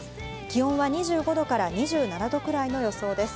気温は２５度から２７度くらいの予想です。